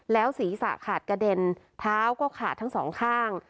แล้วศีรษะขาดกระเด็นเท้าก็ขาดทั้งสองข้าง